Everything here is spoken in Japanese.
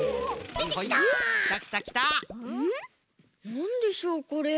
なんでしょうこれ？